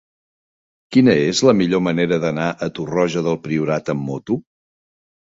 Quina és la millor manera d'anar a Torroja del Priorat amb moto?